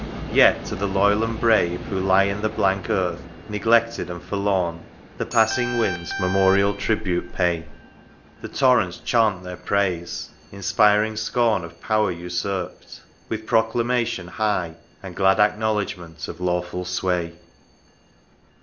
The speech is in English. Yet, to the loyal and the brave, who lie In the blank earth, neglected and forlorn, The passing V^inds memorial tribute pay ; The Torrents chaunt their praise, inspiring scorn Of power usurped, — with proclamation high. And glad acknowledgment of lawful sway.